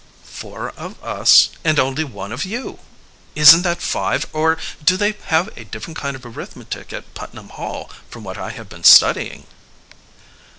"Four of us, and only one of you. Isn't that five or do they have a different kind of arithmetic at Putnam Hall from what I have been studying?"